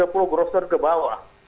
jangan sampai tiga puluh gross ton ke bawah